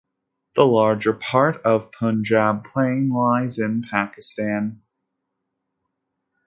The larger part of Punjab plain lies in Pakistan.